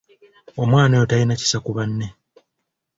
Omwana oyo talina kisa ku banne.